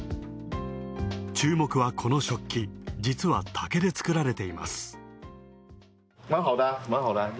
注目はこの食器、実は竹で作られています。